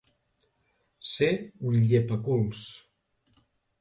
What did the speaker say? Ser un llepaculs.